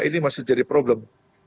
ini masih jadi problem